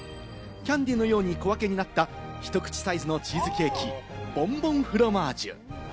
キャンディーのように小分けになった一口サイズのチーズケーキ、ボンボンフロマージュ。